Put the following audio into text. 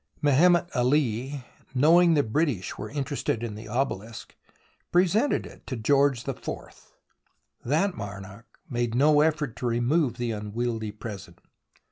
Mehemet Ali, knowing the British were interested in the obelisk, presented it to George iv. That monarch made no effort to remove the unwieldy present.